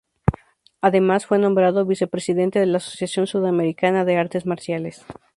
Además, fue nombrado Vice-presidente de la Asociación Sudamericana de Artes Marciales.